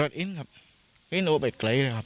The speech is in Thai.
ใช่ครับ